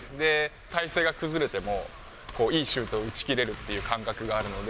体勢が崩れても、いいシュートを打ちきれるという感覚があるので。